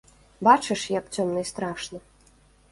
Бачыш, як цёмна і страшна!